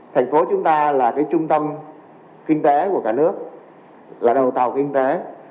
thành phố chúng ta là trung tâm kinh tế của cả nước là đầu tàu kinh tế